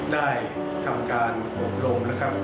ได้ทำการอบรมนะครับ